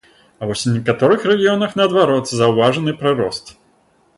А вось у некаторых рэгіёнах, наадварот, заўважаны прырост.